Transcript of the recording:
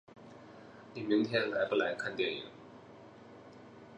你明天来不来看电影？